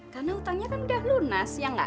karena hutangnya kan udah lunas ya gak